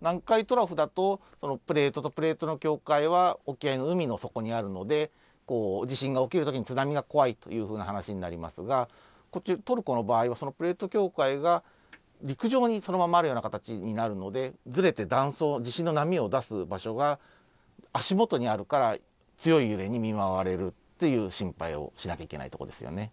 南海トラフだと、プレートとプレートの境界は沖合の海の底にあるので、地震が起きるときに津波が怖いというふうな話になりますが、こっち、トルコの場合は、そのプレート境界が陸上にそのまんまあるような形になるので、ずれて断層、地震の波を出す場所が足元にあるから、強い揺れに見舞われるっていう心配をしなきゃいけないところですよね。